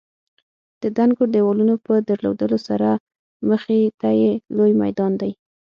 د دنګو دېوالونو په درلودلو سره مخې ته یې لوی میدان دی.